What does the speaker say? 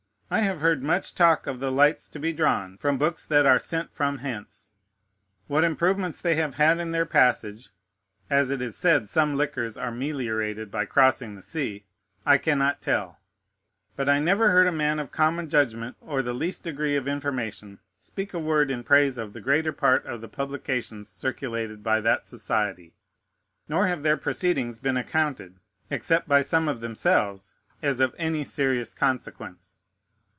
I have heard much talk of the lights to be drawn from books that are sent from hence. What improvements they have had in their passage (as it is said some liquors are meliorated by crossing the sea) I cannot tell; but I never heard a man of common judgment or the least degree of information speak a word in praise of the greater part of the publications circulated by that society; nor have their proceedings been accounted, except by some of themselves, as of any serious consequence.